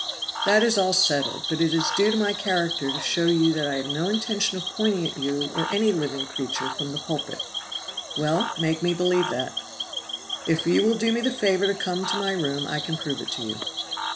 "That is all settled; but it is due to my character to show you that I had no intention of pointing at you or any living creature from the pulpit." "Well, make me believe that." "If you will do me the favor to come to my room I can prove it to you."